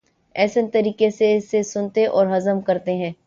احسن طریقے سے اسے سنتے اور ہضم کرتے ہیں۔